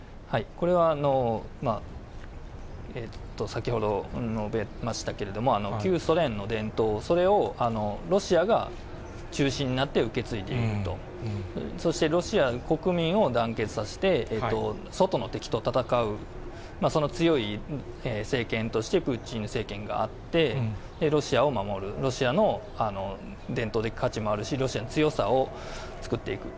これは、先ほど述べましたけれども、旧ソ連の伝統、それをロシアが中心になって受け継いでいくと、そしてロシア国民を団結させて、外の敵と戦う、その強い政権として、プーチン政権があって、ロシアを守る、ロシアの伝統的価値もあるし、ロシアの強さを作っていく。